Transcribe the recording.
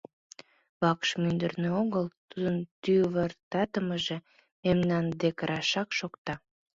Вакш мӱндырнӧ огыл, тудын тӱвыртатымыже мемнан дек рашак шокта.